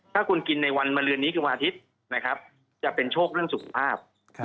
ถ้าคุณกินในวันมาเรือนนี้คือวันอาทิตย์นะครับจะเป็นโชคเรื่องสุขภาพ